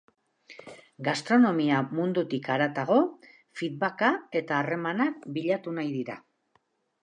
Gastronomia mundutik haratago, feedbacka eta harremanak bilatu nahi dira.